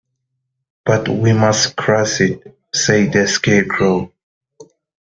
"But we must cross it," said the Scarecrow.